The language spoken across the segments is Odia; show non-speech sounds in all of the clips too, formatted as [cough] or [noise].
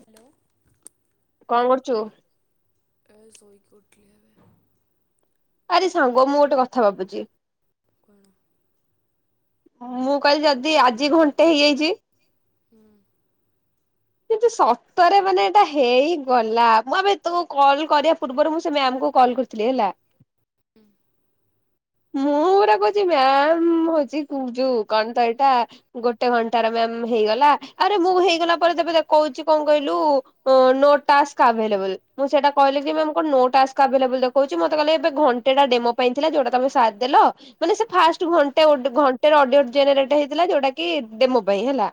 ହ୍ୟାଲୋ। କଣ କରୁଛୁ? ଏ ଶୋଇ କି ଉଠଲିଏବେ। ଆରେ ସାଙ୍ଗ ମୁଁ ଗୋଟେ କଥା ଭାବୁଛି। ମୁଁ କହିଲି ଯଦି ଆଜି ଘଣ୍ଟେ ହେଇଯାଇଛି। ହୁଁ। କିନ୍ତୁ ସତରେ ମାନେ ଏଇଟା ହେଇଗଲା ମୁଁ ଆମେ ତ କଲ କରିବା ପୂର୍ବରୁ ମୁଁ ସେ ମ୍ୟାମ କୁ କଲ କର ଥି ହେଲା। ହୁଁ। ମୁଁ ପୁରା କହୁଛି ମ୍ୟାମ ହଉଛି ଯୋଉ କଣ ତ ଏଇଟା? ଗୋଟେ ଘଣ୍ଟାର ମ୍ୟାାମ ହେଇଗଲା। ଆରେ ମୁଁ ହେଇଗଲା ପରେ ତେବେ ତାକୁ କହୁଛି କଣ କହିଲୁ ଉଁ ନୋ ଟାସ୍କ ଆଭଲେବଲ୍। ମୁଁ ସେଇଟା କହିଲି କି ମ୍ୟାମ୍ କଣ ନୋ ଟାସ୍କ ଆଭଲେବଲ ଦେଖଉଛି, ମତେ କହିଲେ ଏବେ ଘଣ ସେଟା ଡେମୋ ପାଇଁ ଥିଲା, ଯୋଉଟା ତମେ ସାରଦେଲ। ମାନେ ସେ ଫାଷ୍ଟଟ ଘଣ୍ଟ ଅଡ୍ ଘଣ୍ଟେର ଅଡିଓ ଜେନେରେଟ ହେଇଥିଲା। ଯୋଉଟା କି ଡେମୋ ପାଇଁ ହେଲା।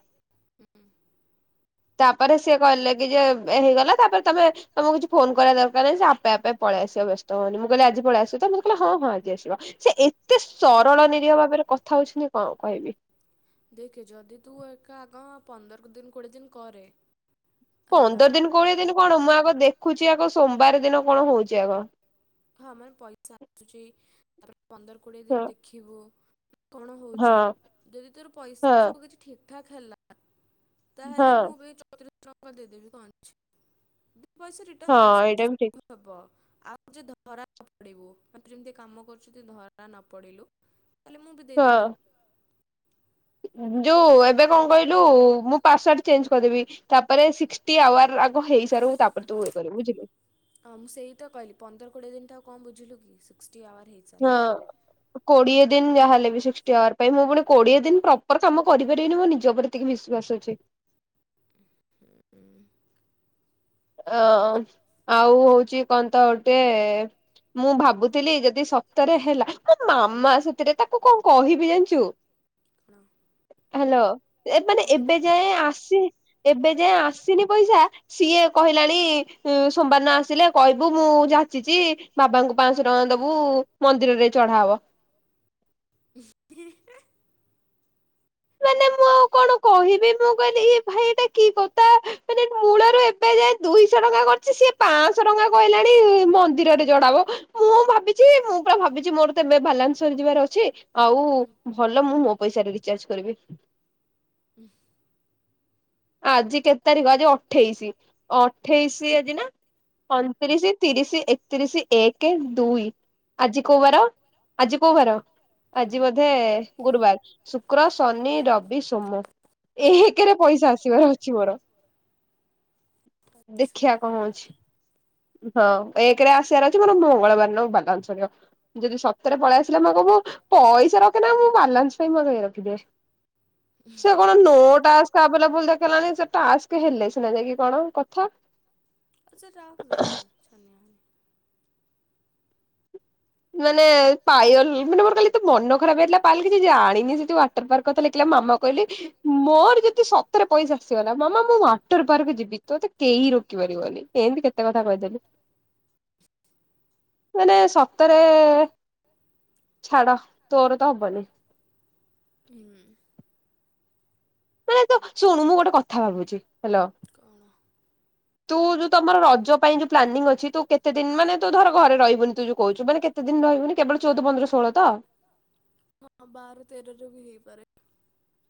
ତାପରେ ସିଏ କହିଲେ କି ଯେ ହେଇଗଲା, ତାପରେ ତମେ- ତମକୁ କିଛି ଫୋନ କରିବା ଦରକାର ନାହିଁ। ସେ ଆପେ ଆପେ ପଳେଇ ଆସିବ, ବ୍ୟସ୍ତ ହନି। ମୁଁ କହିଲି ଆଜି ପଳେଇ ଆସିବ ତ, ମତେ କହିଲା ହଁ ହଁ ଆଜି ଆସିବା। ସେ ଏତେ ସରଳ ନିରହ ଭାବରେ କଥା ହଉଛନ୍ତି କଣ କହିବି। ଦେଖେ ଯଦି ତୁ ଏକା ଆଗ ପନ୍ଦର ଦିନ କୋଡ଼ିଏ ଦିନ କରେ। ପନ୍ଦର ଦିନ କୋଡିଏ ଦିନ କଣ। ମୁଁ ଆଗ ଦେଖୁଛି ଆଗ ସୋମବାର ଦିନ କଣ ହଉଛି ଆଗ। ହଁ ମାନେ ପଇସା ଆସୁଛି। ତାପରେ ପନ୍ଦର କୋଡିଏ ଦିନ ଦେଖିବୁ- କଣ ହଉଛି? ଯଦି ତୋର ପଇସା ସବୁ କିଛି ଠିକ ଠାକ ହେଲା ତାହେଲେ ମୁଁ ବି ଚଉତିରିଶ ଟଙ୍କା ଦେଇଦେବି, କଣ ଅଛି କିନ୍ତୁ ପଇସା ରି ହଁ ଏଇଟା ବି ଠିକ। ହେବ ଆଉ ଯଦି ଧ ଧରା ନ ପଡିବୁ। ମତେ ଯେମିତି କାମ କରୁଚୁ ତୁ ଧରା ନ ପଡିଲୁ, ତାହେଲେ ମୁଁ ବି ଦେଇଦେବି। ଯୋଉ ଏବେ କଣ କହିଲୁ, ମୁଁ ପାସୱାର୍ଡ ଚେଞ୍ଜ କରିଦେବି। ତାପରେ ସି ସିଷ୍ଟୀ ଆୱାର ଆଗ ହେଇସାରୁ, ତାପରେ ତୁ ଇଏ କରିବୁ ବୁଝିଲୁ। ହଁ, ମୁଁ ସେଇ ତ କହିଲି ପନ୍ଦର କୋଡିଏ ଦିନ ତ ଆଉ କଣ ବୁଝିଲୁ କି? ସିକ୍ସଟି ଆୱାର ହେଇଛି। ହଁ। କୋଡିଏ ଦିନ ଯାହାହେଲେ ବି ସିକ୍ସଟି ଆୱାର ପାଇଁ। ମୁଁ ପୁଣି କୋଡିଏ ଦିନ ପ୍ରପର କାମ କରିପାରିବିନି ମୋ ନିଜ ଉପରେ ସେତିକି ବିଶ୍ୱାସ ଅଛି। ହୁଁ। ଅଁ ଆଉ ହଉଛି କଣ ତ ଗୋଟେ ମୁଁ ଭାବୁଥିଲି ଯଦି ସତରେ ହେଲା, ମୋ ମାମା ସେଥିରେ ତାକୁ କଣ କହିବି ଜାଣିଛୁ। [inaudible] କଣ? ହ୍ୟାଲୋ ଏମାନେ ଏବେ ଯାଏ ଆସି ଏବେ ଯାଏ ଆସିନି ପଇସା, ସିଏ- କହିଲାଣି ସୋମବାର ନ ଆସିଲେ, କହିବୁ ମୁଁ ଯାଚିଛି ବାବାଙ୍କୁ ପାଞ୍ଚଶହ ଟଙ୍କା ଦବୁ ମନ୍ଦିରରେ ଚଢା ହବ। ମାନେ ମୁଁ ଆଉ କଣ କହିବି। ମୁଁ କହିଲି ଇ ଭାଇ ଏଟା କି କଥା ମାନେ ମୂଳରୁ ଏ ଏବେ ଯାଏ ଦୁଇଶହ ଟଙ୍କା କରିଛି। ସିଏ ପାଁଶହ ଟଙ୍କା କହିଲାଣି ମନ୍ଦିରରେ ଚଢ଼ାହେବ। ମୁଁ ଭାବିଛି। ମୁଁ ପୁରା ଭାବିଛି, ମୋର ତ ଏବେ ବାଲାନ୍ସ ସରି ଯିବାର ଅଛି। ଆଉ ଭଲ ମୁଁ ମୋ ପଇସାରେ ରିଚାର୍ଜ କରିବି। ଉୁଁ। ଆଜି କେତେ ତାରିଖ? ଆଜି ଅଠେଇଶି। ଅଠେଇଶି ଆଜି ନା? ଅନତିରିଶି, ତିରିଶି, ଏକତିରିଶି, ଏକେ, ଦୁଇ। ଆଜି କୋଉ ବାର? ଆଜି କୋଉ ବାର? ଆଜି ବୋ ବୋଧେ ଗୁରୁବାର, ଶୁକ୍ର, ଶନି, ରବି, ସୋମ। ଏକରେ ପଇସା ଆସ୍ ଆସିବାର ଅଛି ମୋର। ଦେଖିଆ କଣ ହଉଛି। ହଁ ଏକେରେ ଆସିବାର ଅଛି। ମୋର ମଙ୍ଗଳବାର ଦିନ ବାଲାନ୍ସ ସରିବ। ଯଦି ସତରେ ପଳାଇ ଆସିଲା [unintelligible] ମୁଁ ପଇସା ରଖେନା, ମୁଁ ବାଲାନ୍ସ ପାଇଁ ମ ରଖିଦିଏ। ସେ କଣ ନୋ ଟାସ୍କ ଆଭେଲେବୁଲ ଦେଖେଲାଣି। ସେ ଟାସ୍କ ହେଲେ ସିନା ଯାଇଁକି କଣ କଥା। ସେ ଟାସ୍କ ଦେବେ, ଛାନିଆ ହନି। ମାନେ-ଏ ପାୟଲ ମାନେ ମୋର କାଲି ଏତେ ମନ ଖରାପ ହେଇଥିଲା ପାଲ କିଛି ଜାଣିନି ସେଠୁ ଆ [unintelligible] ମାମା କହିଲେ। ମୋର ଯଦି ସତରେ ପଇସା ଆସିଗଲା ମାମା ମୁଁ ୱାଟର ପାର୍କ ଯିବି ତ ମତେ କେହି ରୋକି ପାରିବନି। ଏମିତି କେତେ କଥା କହିଦେଲି, ମାନେ ସ ତରେ-ଏ ଛାଡ ତୋର ତ ହବନି। ହୁଁ। ମାନେ ତୋ ଶୁଣୁ ମୁଁ ଗୋଟେ କଥା ଭାବୁଛି ହାଲୋ। ତୁ ଯୋଉ ତମର ରଜ ପାଇଁ ଯୋଉ ପ୍ଲାନିଂ ଅଛି ତୁ କେତେଦିନ ମାନେ ତୁ ଧର ଘରେ ରହିବୁନି ତୁ ଯୋଉ କୋହୁଚୁ ମାନେ କେ କେତେ ଦିନ ରହିବୁନି କେବଳ ଚୋଉଦ, ପନ୍ଦର, ଷୋଳ ତ। ହଁ ବାର, ତେରରେ ବି ହେଇପାରେ।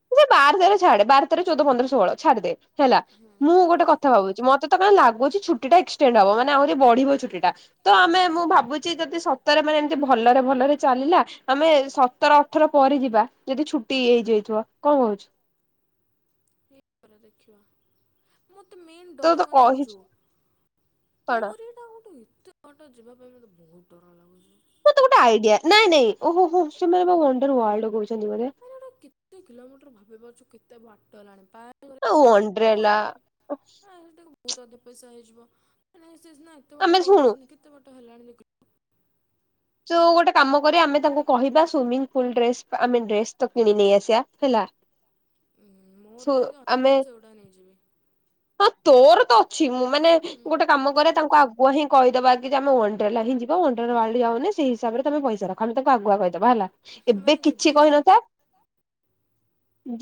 ତୁ ସେ ବାର ତେରରେ ଛାଡେ ବାର, ତେରରେ, ଚଉଦ, ପନ୍ଦର, ଷୋହଳ ଛାଡିଦେ ହେଲା। ମୁଁ ଗୋଟେ କଥା ଭାବୁଛି ମତେ ତ କାଇଁ ଲାଗୁଛି ଛୁଟିଟା ଏକ୍ସଟେଣ୍ଡ ହବ ମାନେ ଆଉରି ବଢିବ ଛୁଟି ଟା। ତ ଆମେ ମୁଁ ଭାବୁଚି ଯଦି ସତରେ ମାନେ ଏମିତି ଭଲରେ ଭଲରେ ଚାଲିଲା ଆମେ ସ ତର ଅଠର ପରେ ଯିବା ଯଦି ଛୁଟି ଇଏ ହେଇଯାଇଥିବ କଁ କହୁଛୁ? ପରେ ଦେଖିବା। ମତେ ମେନ୍ ତୋର ତ କହିଚୁ ପାଣ। ଆଉଗୋଟେ ଏତେ ବାଟ ଯିବା ପାଇଁ ମତେ ବହୁତ ଡର ଲାଗୁଛି। ମତେ ଗୋଟେ ଆଇଡିଆ ନାଇଁ ନାଇଁ ଓହୋହୋ ସେମାନେ ପା ୱାଣ୍ଡର ୱାର୍ଲଡରେ କହୁଛନ୍ତି ଯିବାରେ। ତେ କିଲୋମିଟର ଭାବି ପାରୁଛୁ କେତେ ବାଟ ଏଲାଣି ପା [unintelligible] କହିବେ ଆସେ ଟିକେ ବୁ ବୋହୁତ ଅଧା ପଇସା ହେଇଯିବ ନାଇଁ ସେ ସିନା ଏତେ ବାଟ କହିଦଉଛନ୍ତି କେତେ ବାଟ ହେଲାଣି ଦେଖି ଯୋଉ ଗୋଟେ କାମ କରିଆ ଆମେ ତାଙ୍କୁ କହିବା ସୁଇମିଙ୍ଗ ପୁଲ ଡ୍ରେସ ଆମେ ଡ୍ରେସ ତ କିଣ ନେଇ ଆସିବା ହେଲା‌। ଉଁ ମୋର ଯଦି ଅଧି ମୁଁ ସେଗୁଡା ନେଇଯିବି। ହଁ ତୋର ତ ଅଛି ମୁଁ ମାନେ ଗୋଟେ କାମ କରେ ତାଙ୍କୁ ଆଗ୍ ଗୁଆ ହିଁ କହିଦବା କି ଯେ ଆମେ ୱାଣ୍ଡେର୍ଲା ହିଁ ଯିବା ୱାଣ୍ଡର୍ ୱାର୍ଲ୍ଡ ଯାଉନି ସେଇ ହିସାବରେ ତମେ ପଇସା ରଖ ଆମେ ତାକୁ ଆଗୁଆ କହିଦବା ହେଲା। ଏବେ କିଛି କହିନଥା,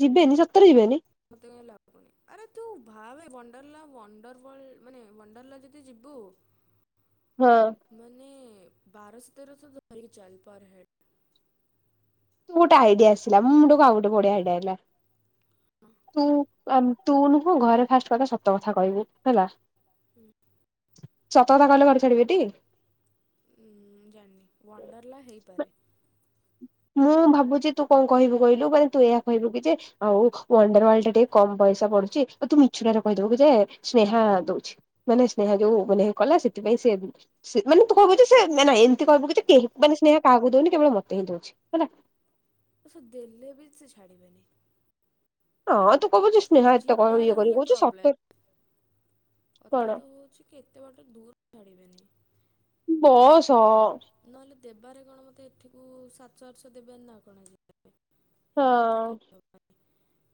ଯିବେନି ସତରେ ଯିବେନି। ମତେ କାଇଁ ଲାଗୁନି ଆରେ ତୁ ଭାବେ ବଣ୍ଡର୍ଲା ବଣ୍ଡର୍ ଭଳି ମାନେ ବଣ୍ଡର୍ଲା ଯଦି ଯିବୁ ହଁ। ମାନେ-ଏ ବାରଶ ତେରଶ ଧରିକି ଚାଲ୍ ପର ହେଡ଼। ମୁଁ ଗୋଟେ ଆଇଡିଆ ଆସିଲା ମୁଁ ମୁଣ୍ଡକୁ ଆଉ ଗୋଟେ ବଢିଆ ଆଇଡିଆ ଆଇଲା ତୁ-ଉ ଅମ୍ ତୁ ନୁହ ଘରେ ଫାଷ୍ଟ କଥା ସତ କଥା କହିବୁ ହେଲା। ସତ କଥା କହିଲେ ଘରେ ଛାଡିବେଟି? ଉଁ-ଉ ଜାଣିନି ୱାଣ୍ଡର୍ଲା ହେଇପାରେ। ମୁଁ ଭାବୁଚି ତୁ କଁ କହିବୁ କହିଲୁ ମାନେ ତୁ ଏୟା କହିବୁ କି ଯେ ଆଉ ୱାଣ୍ଡର ୱାର୍ଲଟା ଟିକେ କମ ପଇସା ପଡୁଛି ତ ତୁ ମିଛୁଟା ରେ କହିଦବୁ କି ଯେ ସ୍ନେହା ଦଉଛି। ମାନେ ସ୍ନେହା ଯୋଉ ମାନେ କଲା ସେଥିପାଇଁ ସିଏ ସେ ମାନେ ତୁ କହିବୁ ଯେ ସେ ମେନା ଏମତି କିହିବୁ କି ଯେ କେହି ମାନେ ସ୍ନେହା କାହାକୁ ଦୋଉନି କେବଳ ମତେ ହିଁ ଦୋଉଛି। ହେଲା। ସେ ଦେଲେ ବି ସେ ଛାଡିବେନି। ଆଁ ତୁ କହିବୁ ଯେ ସ୍ନେହା ଏତେ କ ଇଏ କରିକି କହୁଚି ସତେ କଥା ତ ହଉଛି କି ଏତେ ବାଟ ଦୂର ଛାଡିବେନି। ବସ ହ। ନହେଲେ ଦେବାରେ କଣ ମୋତେ ଏଠିକୁ ସାତଶହ ଆଠଶହ ଦେବନି ନା କଣ ଆଜି। ହଁ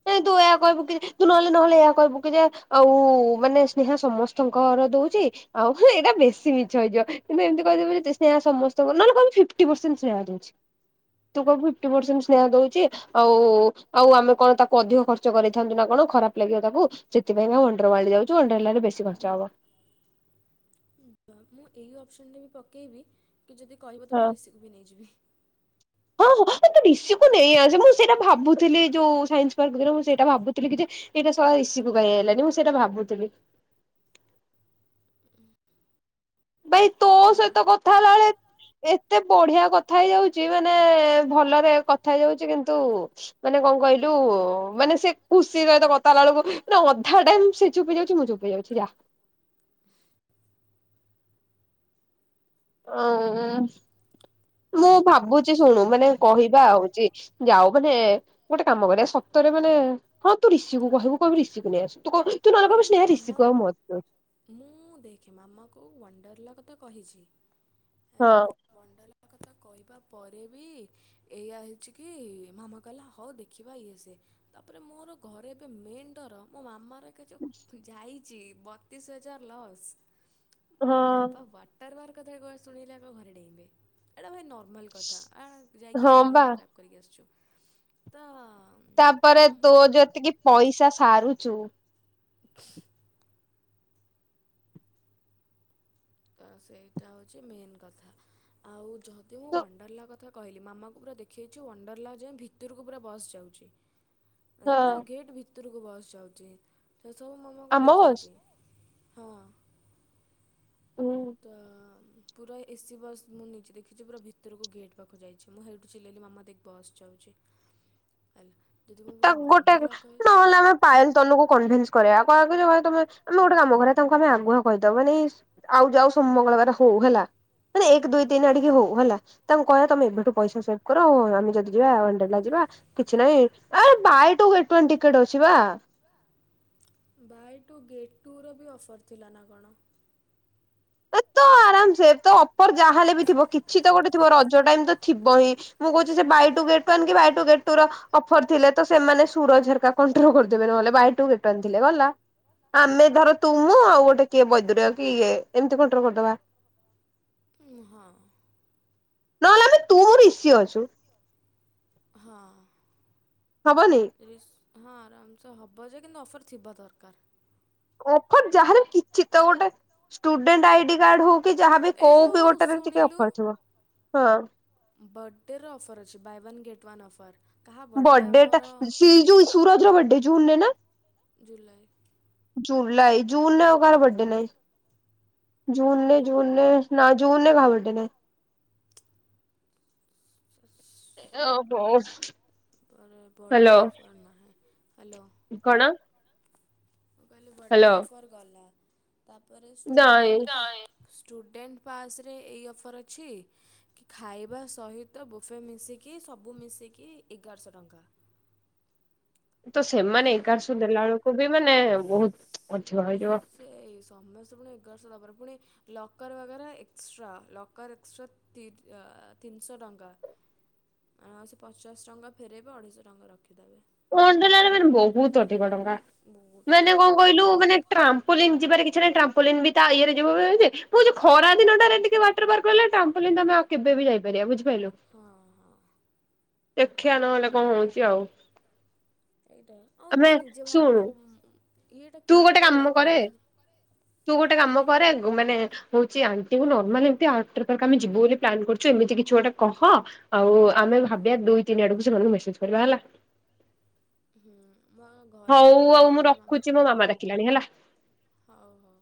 ନ ତୁ ଏୟା କହିବୁ କି ଯେ ତୁ ନହେଲେ ନହେଲେ ଏୟା କହିବୁ କି ଯେ ଆଉ ମାନେ ସ୍ନେହା ସମସ୍ତଙ୍କ ଘରେ ଦଉଚି ଆଉ ହଁ ଏଇଟା ବେଶୀ ମିଛହେଇଯିବ କିନ୍ତୁ ଏମତି କହିଦେବି ସ୍ନେ ସମସ୍ତଙ୍କୁ ନହେଲେ କହିବି ଫିଟି ପରସେଣ୍ଟ ସେ ତୁ କହିବୁ ଫିଫଟି ପରସେଣ୍ଟ ସେୟାର ଦଉଚି ଆଉ ଆଉ ଆମେ କଣ ତାକୁ ଅଧିକ ଖର୍ଚ୍ଚ କରିଥାନ୍ତୁ ନା କଣ ଖରାପ ଲାଗିବ ତାକୁ ସେଥିପାଇଁକା ୱାଣ୍ଡରେଲା ଯାଉଚୁ ୱାଣ୍ଡରେଲା ରେ ବେଶୀ ଖର୍ଚ ହବ। ତ ମୁଁ ଏଇ ଅପସନ୍ ବି ପକେଇବି କି ଯଦି କହିବ ତ ମୁଁ ରିଷିକୁ ବି ନେଇଯିବି। ହଁ ହଁ [unintelligible] ରିଷି କୁ ନେଇ ଆସ ମୁଁ ସେଇଟା ଭାବୁଥିଲି ଯୋଉ ସାଇନ୍ସ ପାର୍କ ଦିନ ମୁଁ ସେଇଟା ଭାବୁଥିଲି କି ଯେ ଏଇଟା ସହ ରିଷି କୁ କ କହି ହେଲାନି ମୁଁ ସେଇଟା ଭାବୁଥିଲି। ଭାଇ ତୋ ସହିତ କଥାହେଲାବେଳେ ଏତେ ବଢିଆ କଥା ହେଇଯାଉଚି ମାନେଏ -ଭଲରେ କଥା ହେଇଯାଉଚି କିନ୍ତୁ ମାନେ କଣ କହିଲୁ ଉ ମାନେ ସେ ଖୁସି ସହିତ କଥାହେଲା ବେଳକୁ ମାନେ ଅଧା ଟାଇମ ସେ ଚୁପ ହେଇଯାଉଛି ମୁଁ ଚୁପ ହେଇଯାଉଛି ହେଲା। ଅଁ ମୁଁ ଭାବୁଚି ଶୁଣୁ ମାନେ କହିବା ହଉଚି ଯାଉ ମାନେ ଗୋଟେ କାମ କରେ ସତରେ ମାନେ ହଁ ତୁ ରିଷିକୁ କହିବୁ କହିବୁ ରିଷିକୁ ନେଇ ଆସ ତୁ ନହେଲେ କ ନେଇଆ ରିଶି କୁ ଆଉ [unintelligible] ମୁଁ ଉଁ ଦେଖେ ମାମାକୁ ୱାଣ୍ଡରେଲା କଥା କହିଛି ହେଲା ୱାଣ୍ଡରେଲା କଥା କହିବା ପରେ ବି ଏଇଆ ହେଇଚି କି ମାମା କହିଲା ହଉ ଦେଖିବା ଇଏ ସିଏ ତାପରେ ମୋର ଘରେ ଏବେ ମେନ୍ ଡର ମୋ ମାମାର ଏକା ଯୋଉ ତୁ ଯାଇଚି ବତିଶ ହଜାର ଲସ୍ ମୋ ବାବା ୱାଟ ବାର ବାର କଥାରେ କ ଶୁଣେଇଲେ ଆ ଘରେ ଡେଇଁବେ ଏଇଟା ଭଏ ନର୍ମାଲ କଥା ଆ ଯାଇକି ଫୋନ୍ ଫୋନ୍ ଖରାପ କରିକି ଆସିଛୁ ତ ଅ ତାପରେ ତୋ ଯେତିକି ପଇସା ସାରୁଚୁ ତ ସେଇଟା ହେଉଚି ମେନ୍ କଥା ଆଉ ଯଦି ମୁଁ ୱାଣ୍ଡରେଲା କଥା କହିଲି ମାମାକୁ ପୁରା ଦେଖେଇଚୁ ୱଣ୍ଡର୍ଲା ଯାଏଁ ଭିତରକୁ ପୁରା ବସ୍ ଯାଉଚି। ତାପରେ ଆଉ ଗେଟ୍ ଭିତରକୁ ବସ ଯାଉଛି ସେ ସବୁ ମାମାଙ୍କୁ ଦେଖେଇଚି। ହଁ। ପୁରା ଏସି ବସ୍ ମୁଁ ନିଜେ ଦେଖିଚି ପୁରା ଭିତରକୁ ଗେଟ୍ ପାଖ ଯାଇଛି ମୁଁ ହେଇଠୁ ଚିଲେଇଲି ମାମା ଦେଖ ବସ୍ ଯାଉଚି। ଅ ଆଇଲା ତା ଗୋଟେ ନହେଲେ ଆମେ ପାଏଲ ତନୁ କନଭିନ୍ସ କରେଇବା ଆଉ ଆମେ ଗୋଟେ କାମ କରିବା ତାଙ୍କୁ ଆମେ ଆଗୁଆ କହିଦବା ମାନେ ଆଉ ଯାଉ ସୋମ ମଙ୍ଗଳବାର ହଉ ହେଲା। ମାନେ ଏକ ଦୁଇ ତିନି ଆଡିକେ ହଉ ହେଲା ତାଙ୍କୁ କହିବା ତମ ଏବେଠୁ ପଇସା ସେ କର ଆମେ ଯଦି ଯିବା ୱାଣ୍ଡରେଲା ଯିବା କିଛି ନାଇଁ ଆରେ buy two get one ticket ଅଛି ବା ବାଏ ଟୁ ଗେଟ୍ ଟୁ ର ବି ଅଫର୍ ଥିଲା ନା କଣ? ଏ ତ ଆରାମସେ ତ ଅପର ଯାହା ହେଲେ ବି ଥିବ କିଛି ତ ଗୋଟେ ଥିବ ରଜ ଟାଇମ ତ ଥିବ ହିଁ ମୁଁ କହୁଛି ସେ ବାଇ ଟୁ ଗେଟ୍ ୱାନ କି ବାଏ ଟୁ ଗେଟ ଟୁ ର ଅଫର ଥିଲେ ତ ସେମାନେ ସୁରଜ ହେରିକା କଣ୍ଟ୍ରୋ କରିଦବେ ନହଲେ ଥିଲେ ଗଲା ଆମେ ଧର ତୁ ମୁଁ ଆଉ ଗୋଟେ କିଏ ବୈଦ୍ୟୁର କି ଇଏ ଏମିତି କଟ୍ରୋ କରିଦବା ହଁ। ନହେଲେ ଆମେ ତୁ ରିସିି ଅଛୁ। ହଁ। ହବନି ରିସ ହଁ ଆରାମସେ ହବ ଯେ କିନ୍ତୁ ଅଫର୍ ଥିବା ଦରକାର। ଅଫର୍ ଯାହା ର କିଛିତ ଗୋଟେ ସ୍ଟୁଡେଣ୍ଟ ଆଇଡି କାର୍ଡ ହଉ କି ଯାହାଵି କୋ ବି ଗୋଟେରେ ଟିକେ ଅଫର ଥିବ ହଁ। ବଡେରେ ଅଫର୍ ଅଛି buy one get one offer. ବଡେଟା ସେ ଯଉ ସୁରଜର ବଡେ ଜୁ୍ନ୍ ରେ ନା ଜୁଲାଇ ଜୁନ୍ ରେ ଆଉ କାହାର ବଡେ ନାହିଁ ଜୁନ୍ ରେ ଜୁନ୍ ରେ ନାଁ ଜୁନ୍ ରେ କାହା ବଡେ ନାହିଁ। [unintelligible] ପର ବର୍ଡେ ଅଫର ନାହି ହ୍ୟାଲୋ। କଣ? ମୁଁ କହିଲେ ବର୍ଥଡ଼େ ଅଫର୍ ଗଲା ତାପରେ ଷ୍ଟୁଡେଣ୍ଟ ନାଇଁ ଷ୍ଟୁଡେଣ୍ଟ୍ ପାସ୍ ରେ ଏଇ ଅଫର୍ ଅଛି? କି ଖାଇବା ସହିତ ବୋଫେ ମିଶିକି ସବୁ ମିଶିକି ଏଗାରଶହ ଟଙ୍କା। ତ ସେମାନେ ଏଗାରଶହ ଦେଲା ବେଳକୁ ବି ମାନେ ବହୁତ ଅଧିକ ହେଇଯିବ। ଏଇ ସମସ୍ତେ ପୁଣି ଏଗାରଶହ ଦବାର ପୁଣି ଲକର୍ ବଗରା ଏକ୍ସଟ୍ରା ଲକର୍ ଏକ୍ସଟ୍ରା ତି ତିନିଶହ ଟଙ୍କା। ଆଁ ସେ ପଚାଶ ଟଙ୍କା ଫେରେଇବେ ଅଢ଼େଇଶହ ଟଙ୍କା ରଖିଦେବେ। ୱାଣ୍ଡଲାରେ ମାନେ ବହୁତ ଅଧିକ ଟଙ୍କା ମାନେ କଣ କହିଲୁ ମାନେ ଟ୍ରାମ୍ପୋଲିନ୍ ଯିବାରେ କିଛି ନାହିଁ ଟ୍ରମ୍ପୋଲିନ ବି ତା ଇଏରେ ଯିବ ଵି ଜେ ମୁଁ ଯଉ ଖରା ଦିନଟାରେ ଟିକେ ୱାଟର ପାର୍କ କହିଲା ଟାମ୍ପୋଲିନଟା ଆମେ ଆଉ କେବେ ବି ଯାଇପାରିବା ବୁଝିପାରିଲୁ। ଦେଖିଆ ନହେଲେ କଣ ହୋଉଛି ଆଉ। ଏଇଟା ଆଉ ତୁ ନିଜେ ଭାଵେ ବୁ ମୁଁ ଇଏଟା କେତେ ବାଟ ହେଲାଣି। ତୁ ଗୋଟେ କାମ କରେ ଗ ମାନେ ହଉଛି ଆଣ୍ଟି ଙ୍କୁ ନର୍ମାଲି ଏମିତି ଆଉଟ୍ରିକରେ ଆମେ ଯିବୁ ବୋଲି ପ୍ଲାନ କରୁଛୁ ଏମିତି କିଛି ଗୋଟେ କହ ଆଉ ଆମେ ଭାବିବା ଦୁଇ ତିନି ଆଡକୁ ସେମାନଙ୍କୁ ମେସେଜ କରିବା ହେଲା। ହୁଁ ମ ହଉ ଆଉ ମୁଁ ରଖୁଛି ମୋ ମାମା ଡାକିଲାଣି ହେଲା। ହଉ ହଉ।